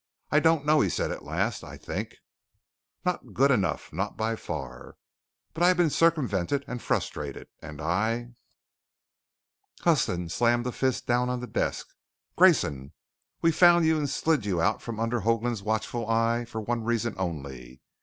"I don't know," he said at last. "I think " "Not good enough. Not by far." "But I've been circumvented and frustrated and I " Huston slammed a fist down on the desk. "Grayson, we found you and slid you out from under Hoagland's watchful eye for one reason only.